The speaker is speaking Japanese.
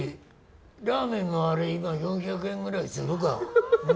ラーメンのあれ、今４００円ぐらい、あれするか。